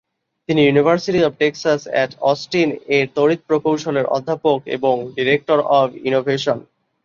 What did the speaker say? তিনি university of Texas at Austin এর তড়িৎ প্রকৌশলের অধ্যাপক এবং ডিরেক্টর অব ইনোভেশন।